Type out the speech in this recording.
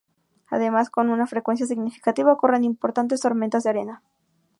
Además, con una frecuencia significativa ocurren importantes tormentas de arena.